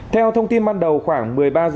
theo thông tin ban đầu khoảng một mươi ba